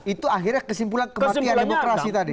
itu akhirnya kesimpulan kematian demokrasi tadi